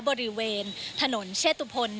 บริเวณถนนเชษตุพล